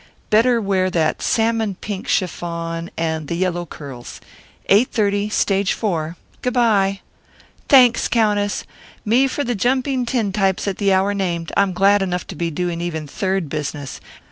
Better wear that salmon pink chiffon and the yellow curls. Eight thirty, Stage Four. Goo' by." "Thanks, Countess! Me for the jumping tintypes at the hour named. I'm glad enough to be doing even third business.